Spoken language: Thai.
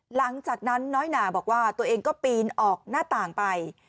หลังจากนั้นน้อยหนาบอกว่าตัวเองก็ปีนออกหน้าต่างไป